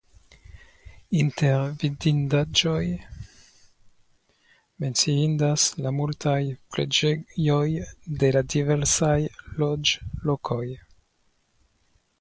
Inter vidindaĵoj menciindas la multaj preĝejoj de la diversaj loĝlokoj.